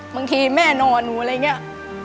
บางทีแม่นอนหนูอะไรอย่างนี้